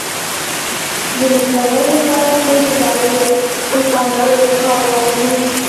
د نېکمرغۍ لپاره ترې د لارې روښانولو کار واخلو.